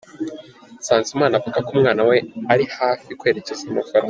Nsanzimana ,avuga ko umwana we ari hafi kwerekeza mu Bufaransa.